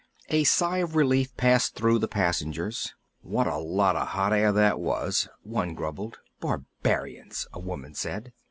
A sigh of relief passed through the passengers. "What a lot of hot air that was," one grumbled. "Barbarians!" a woman said.